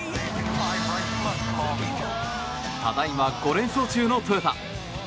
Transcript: ただいま５連勝中のトヨタ。